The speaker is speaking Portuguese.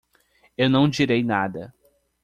Eu não direi nada.